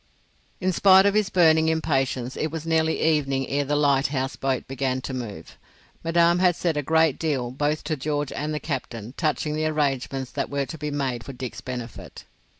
In spite of this burning impatience it was nearly evening ere the lighthouse boat began to move. Madame had said a great deal both to George and the captain touching the arrangements that were to be made for Dick's benefit.